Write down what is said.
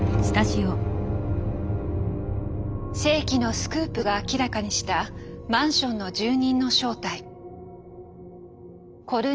世紀のスクープが明らかにしたマンションの住人の正体。